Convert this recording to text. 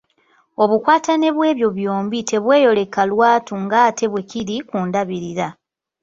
Obukwatane bw’ebyo byombi tebweyoleka lwatu ng’ate bwe kiri ku ndabirira.